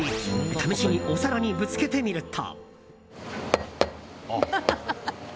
試しにお皿にぶつけてみると。